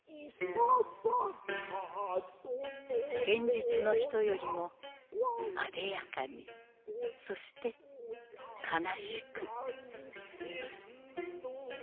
現実の人よりもあでやかにそして悲しく。